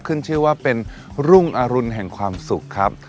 ขึ้นชื่อว่าเป็นรุ่งอรุณแห่งความสุขครับ